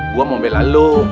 gua mau bela lu